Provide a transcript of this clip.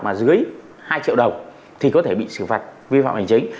mà dưới hai triệu đồng thì có thể bị xử phạt vi phạm hành chính